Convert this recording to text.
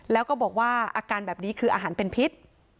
แล้วก็บอกว่าอาการแบบนี้คืออาหารเป็นพิษ